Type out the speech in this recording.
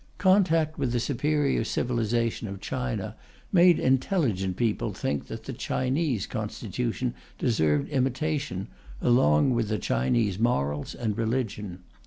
Contact with the superior civilization of China made intelligent people think that the Chinese constitution deserved imitation, along with the Chinese morals and religion.